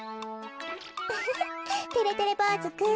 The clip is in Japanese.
ウフフてれてれぼうずくん。